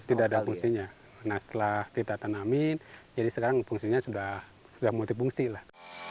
tidak ada fungsinya nah setelah kita tanamin jadi sekarang fungsinya sudah multifungsi lah